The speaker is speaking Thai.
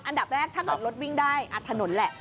อันดับแรกถ้าเกิดรถวิ่งได้ถนนแหละ